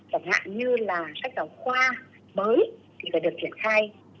chẳng hạn như là sách giáo khoa mới thì phải được triển khai